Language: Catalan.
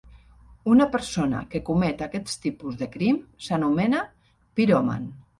Una persona que comet aquest tipus de crim s'anomena piròman.